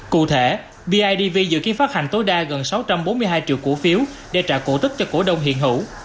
cụ thể bidv dự kiến phát hành tối đa gần sáu trăm bốn mươi hai triệu cổ phiếu để trả cổ tức cho cổ đông hiện hữu